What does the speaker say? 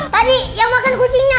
tadi yang makan kucingnya